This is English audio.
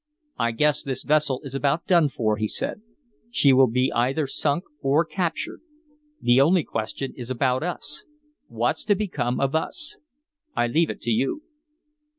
"I guess this vessel is about done for," he said. "She will be either sunk or captured. The only question is about us what's to become of us. I leave it to you."